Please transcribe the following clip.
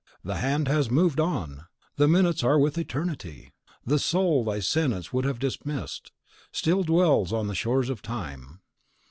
the hand has moved on; the minutes are with Eternity; the soul thy sentence would have dismissed, still dwells on the shores of Time.